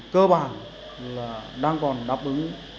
cơ bản là đang còn đáp ứng